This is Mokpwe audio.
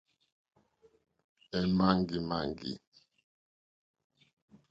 Èmàŋɡìmàŋɡì.